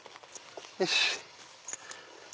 よし！